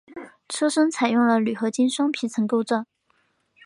车身采用了铝合金双皮层构造。